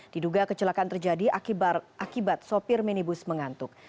diduga kecelakaan terjadi akibat sopir minibus mengantuk